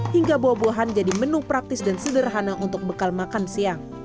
hingga buah buahan jadi menu praktis dan sederhana untuk bekal makan siang